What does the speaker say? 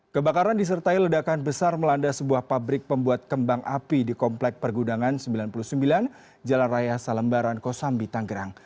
kebakaran disertai ledakan besar melanda sebuah pabrik pembuat kembang api di komplek pergudangan sembilan puluh sembilan jalan raya salembaran kosambi tanggerang